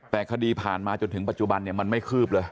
แต่คดีผ่านมาจนถึงปัจจุบันเนี่ยมันไม่คืบเลย